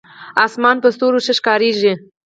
امنیت د ژوند اړتیا ده